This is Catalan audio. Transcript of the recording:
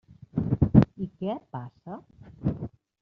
I què passa?